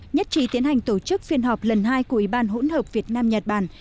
nhất trí tiến hành tổ chức phiên họp lần hai của ủy ban hỗn hợp việt nam nhật bản